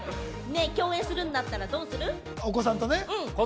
共演するんだったらどうする？